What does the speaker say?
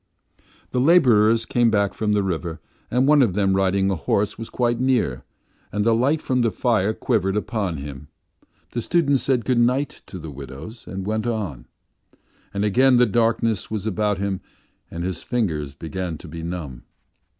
The labourers came back from the river, and one of them riding a horse was quite near, and the light from the fire quivered upon him. The student said good night to the widows and went on. And again the darkness was about him and his fingers began to be numb.